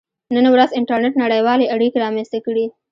• نن ورځ انټرنېټ نړیوالې اړیکې رامنځته کړې.